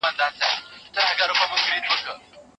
له بدو خلکو سره ناسته پاسته مه کوه.